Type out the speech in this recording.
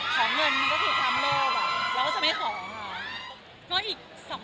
ของเงินก็คือความโลกเราก็จะไม่ขอค่ะ